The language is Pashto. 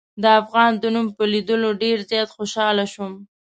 د افغان د نوم په لیدلو ډېر زیات خوشحاله شوم.